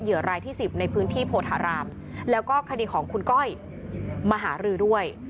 รายที่๑๐ในพื้นที่โพธารามแล้วก็คดีของคุณก้อยมหารือด้วย